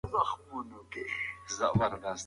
موږ به تر ماښامه پورې د جومات چت رنګ کړو.